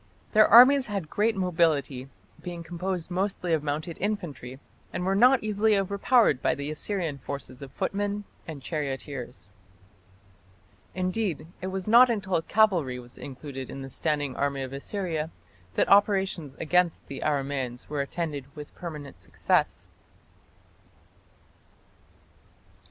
Their armies had great mobility, being composed mostly of mounted infantry, and were not easily overpowered by the Assyrian forces of footmen and charioteers. Indeed, it was not until cavalry was included in the standing army of Assyria that operations against the Aramaeans were attended with permanent success.